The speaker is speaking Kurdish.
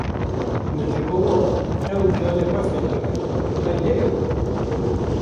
min ji bo wan xew û canê xwe feda dikir qey ne ew bûn.